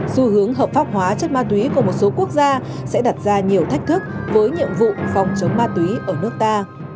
xu hướng hợp pháp hóa chất ma túy của một số quốc gia sẽ đặt ra nhiều thách thức với nhiệm vụ phòng chống ma túy ở nước ta